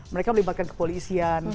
mereka melibatkan kepolisian